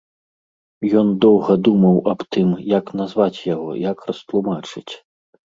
Ён доўга думаў аб тым, як назваць яго, як растлумачыць.